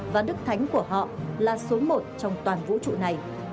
và đức thánh của họ là số một trong toàn vũ trụ này